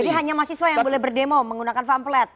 jadi hanya mahasiswa yang boleh berdemo menggunakan pamflet